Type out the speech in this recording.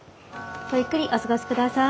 ごゆっくりお過ごしください。